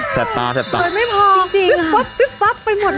สวัสดีครับ